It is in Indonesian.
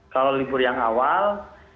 kalau libur yang awal